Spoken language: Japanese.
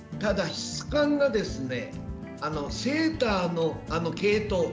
質感がセーターの毛糸